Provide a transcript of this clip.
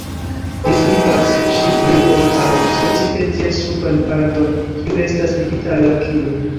Ĝi signifas ŝip-ripon aŭ specife ties suban parton, kiu estas ligita al la kilo.